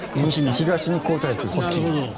東に後退すると。